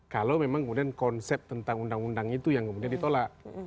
kalau memang kemudian konsep tentang undang undang itu yang kemudian ditolak